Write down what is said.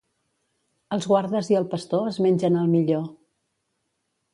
Els guardes i el pastor es mengen el millor.